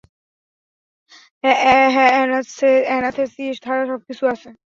হ্যাঁ, অ্যানাসথেসিয়া ছাড়া সবকিছুই আছে।